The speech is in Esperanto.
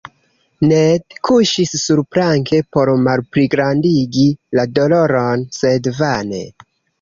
Ned kuŝis surplanke por malpligrandigi la doloron, sed vane.